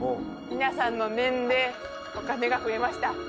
皆さんの念でお金が増えました。